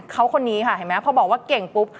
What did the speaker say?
เขาคนนี้ค่ะเห็นไหมพอบอกว่าเก่งปุ๊บ